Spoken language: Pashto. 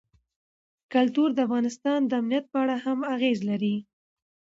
کلتور د افغانستان د امنیت په اړه هم اغېز لري.